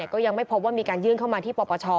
ก็ยังไม่พบว่ามีการยื่นเข้ามาที่ปปช